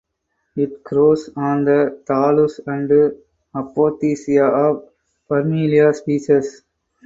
It grows on the thallus and apothecia of "Parmelia" species.